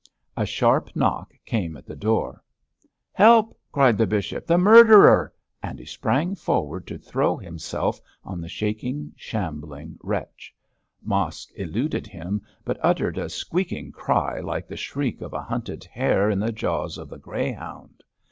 A sharp knock came at the door. 'Help!' cried the bishop. 'The murderer!' and he sprang forward to throw himself on the shaking, shambling wretch. Mosk eluded him, but uttered a squeaking cry like the shriek of a hunted hare in the jaws of the greyhound.